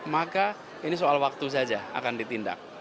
maka ini soal waktu saja akan ditindak